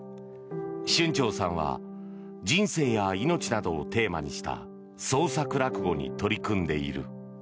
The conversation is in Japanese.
春蝶さんは人生や命などをテーマにした創作落語に取り組んでいる。